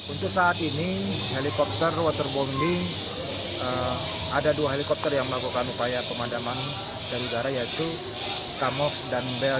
untuk saat ini helikopter waterbombing ada dua helikopter yang melakukan upaya pemadaman dari negara yaitu kamov dan bl dua ratus tujuh belas